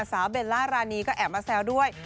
เบลล่ารานีก็แอบมาแซวด้วย